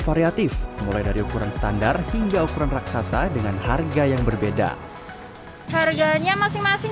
variatif mulai dari ukuran standar hingga ukuran raksasa dengan harga yang berbeda harganya masing masing